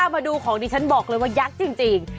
มาดูของดิฉันบอกเลยว่ายักษ์จริง